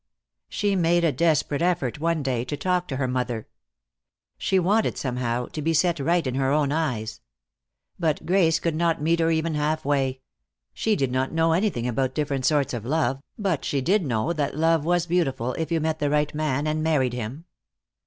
She made a desperate effort one day to talk to her mother. She wanted, somehow, to be set right in her own eyes. But Grace could not meet her even half way; she did not know anything about different sorts of love, but she did know that love was beautiful, if you met the right man and married him.